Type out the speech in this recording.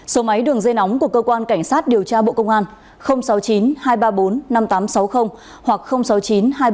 số máy đường dây nóng của cơ quan cảnh sát điều tra bộ công an sáu mươi chín hai trăm ba mươi bốn năm nghìn tám trăm sáu mươi hoặc sáu mươi chín hai trăm ba mươi hai một nghìn sáu trăm